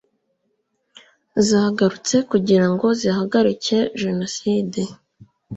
zahagurutse kugira ngo zihagarike Jenoside